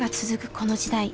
この時代。